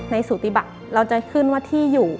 สุติบัติเราจะขึ้นว่าที่อยู่